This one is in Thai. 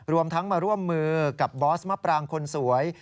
รวมทั้งมาร่วมมือกับบอสมะปรางคนสวย